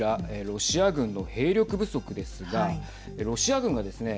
ロシア軍の兵力不足ですがロシア軍がですね